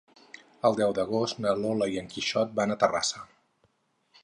El deu d'agost na Lola i en Quixot van a Terrassa.